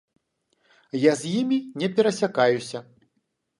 Я з імі не перасякаюся.